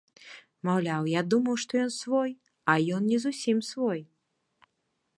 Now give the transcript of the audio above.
Маўляў, я думаў, што ён свой, а ён не зусім свой!